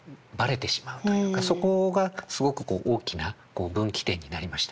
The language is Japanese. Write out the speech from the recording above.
そこがすごくこう大きな分岐点になりました。